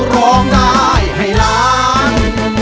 ร้องได้ให้ล้าน